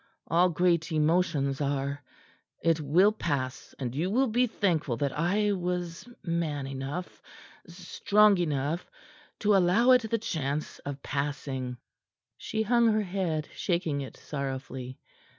All great emotions are. It will pass, and you will be thankful that I was man enough strong enough to allow it the chance of passing." She hung her head, shaking it sorrowfully.